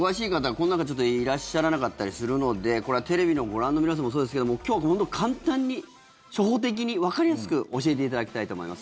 この中、ちょっといらっしゃらなかったりするのでこれはテレビをご覧の皆さんもそうですけども今日本当、簡単に初歩的にわかりやすく教えていただきたいと思います。